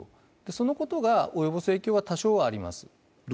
そのことが及ぼす影響は多少あります。